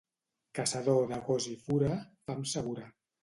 Caçador de gos i fura, fam segura.